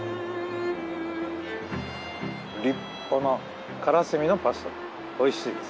立派なからすみのパスタおいしいです。